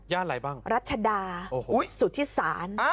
ย่านอะไรบ้างโอ้โหรัชดาสุทธิศาล